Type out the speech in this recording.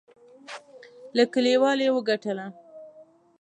له کلیوالو یې وګټله.